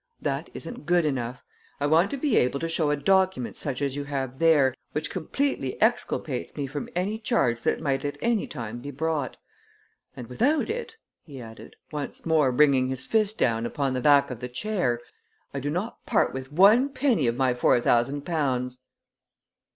That isn't good enough. I want to be able to show a document such as you have there, which completely exculpates me from any charge that might at any time be brought. And without it," he added, once more bringing his fist down upon the back of the chair, "I do not part with one penny of my four thousand pounds!"